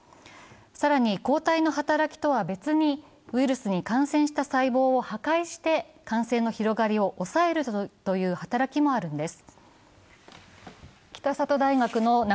更に、抗体の働きとは別にウイルスに感染した細胞を破壊して感染の広がりを抑えるという働きもあるんです。